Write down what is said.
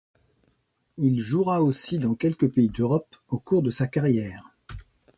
Il jouera aussi dans quelques pays d'Europe au cours de sa carrière.